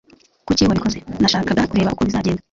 Kuki wabikoze?" "Nashakaga kureba uko bizagenda."